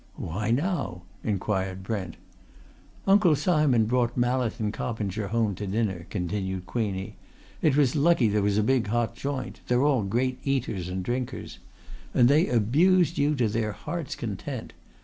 "Why, now?" inquired Brent. "Uncle Simon brought Mallet and Coppinger home to dinner," continued Queenie. "It was lucky there was a big hot joint! they're all great eaters and drinkers. And they abused you to their hearts' content.